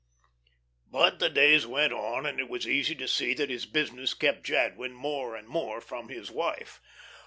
But the days went on, and it was easy to see that his business kept Jadwin more and more from his wife.